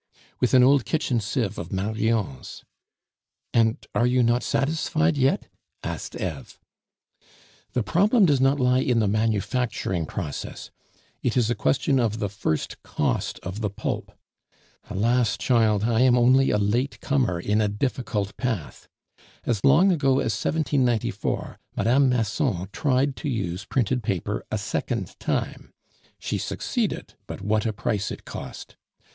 "With an old kitchen sieve of Marion's." "And are you not satisfied yet?" asked Eve. "The problem does not lie in the manufacturing process; it is a question of the first cost of the pulp. Alas, child, I am only a late comer in a difficult path. As long ago as 1794, Mme. Masson tried to use printed paper a second time; she succeeded, but what a price it cost!